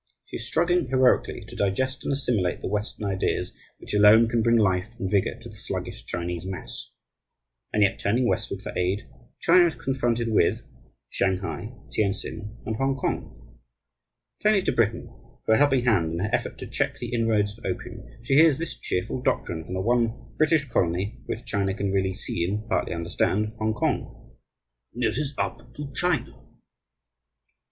She is struggling heroically to digest and assimilate the Western ideas which alone can bring life and vigour to the sluggish Chinese mass. And yet, turning westward for aid, China is confronted with Shanghai, Tientsin, and Hongkong. Turning to Britain for a helping hand in her effort to check the inroads of opium, she hears this cheerful doctrine from the one British colony which China can really see and partly understand, Hongkong "It is up to China." Dr.